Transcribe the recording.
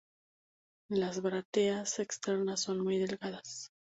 Las brácteas externas son muy delgadas.